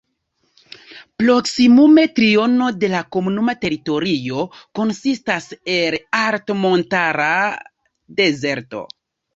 Proksimume triono de la komunuma teritorio konsistas el altmontara dezerto.